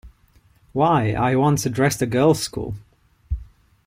Why, I once addressed a girls' school.